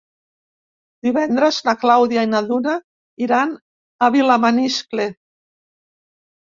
Divendres na Clàudia i na Duna iran a Vilamaniscle.